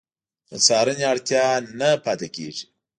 د څارنې اړتیا نه پاتې کېږي.